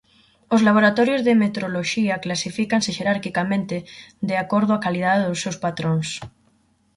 Os laboratorios de metroloxía clasifícanse xerarquicamente de acordo á calidade dos seus patróns.